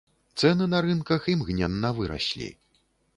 Цэны на рынках імгненна выраслі.